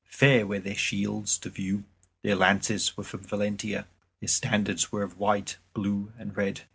Fair were their shields to view; their lances were from Valentia; their standards were of white, blue, and red.